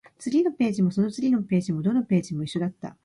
次のページも、その次のページも、どのページも一緒だった